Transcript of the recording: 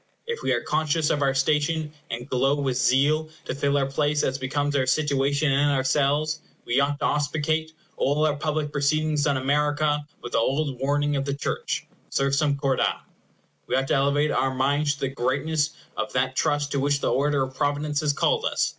If we are conscious of our station, and glow with zeal to fill our places as becomes our situation and ourselves, we ought to auspicate all our public proceedings on America with the old warning of the church, Sursum corda! We ought to elevate our minds to the greatness of that trust to which the order of providence has called us.